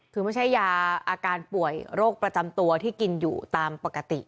คือไม่ใช่ยาอาการป่วยโรคประจำตัวที่กินอยู่ตามปกติ